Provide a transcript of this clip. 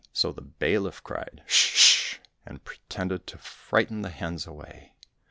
So the bailiff cried, "Sh sh," and pretended to frighten the hens away.